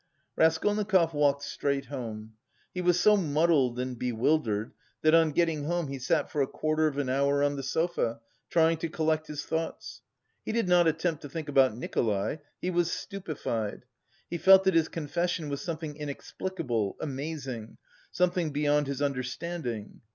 Raskolnikov walked straight home. He was so muddled and bewildered that on getting home he sat for a quarter of an hour on the sofa, trying to collect his thoughts. He did not attempt to think about Nikolay; he was stupefied; he felt that his confession was something inexplicable, amazing something beyond his understanding.